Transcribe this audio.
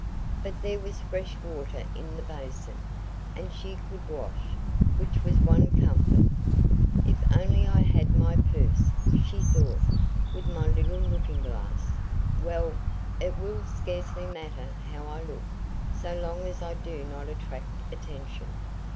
But there was fresh water in the basin, and she could wash, which was one comfort. "If only I had my purse," she thought, "with my little looking glass. Well, it will scarcely matter how I look so long as I do not attract attention."